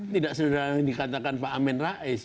tidak sederhana yang dikatakan pak amin rais